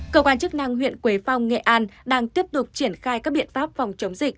cơ quan chức năng huyện quế phong nghệ an đang tiếp tục triển khai các biện pháp phòng chống dịch